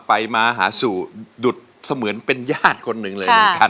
ไปมาหาสู่ดุดเสมือนเป็นญาติคนหนึ่งเลยเหมือนกัน